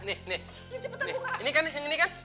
ini kan ini kan